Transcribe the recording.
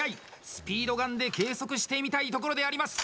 スピードガンで計測してみたいところであります。